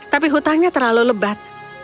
tapi hutangnya terlalu lebat